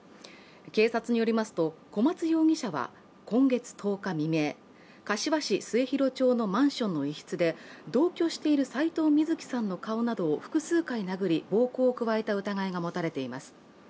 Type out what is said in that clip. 警察によりますと小松容疑者は今月１０日未明、柏市末広町のマンションの１室で同居している齋藤瑞希さんの顔などを複数回殴り暴行を加えた疑いが持たれています。